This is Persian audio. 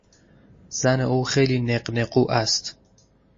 زن او خیلی نق نقو است.